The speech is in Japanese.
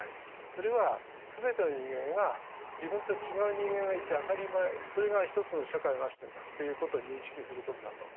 それは全ての人間が自分と違う人間がいて当たり前それが一つの社会を成してんだっていうことを認識することだと。